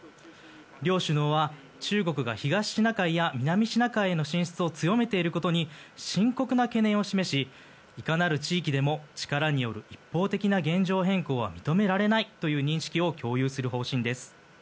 両首脳は中国が東シナ海や南シナ海への進出を強めていることに深刻な懸念を示しいかなる地域でも力による一方的な現状変更は認められないという認識を共有する方針です。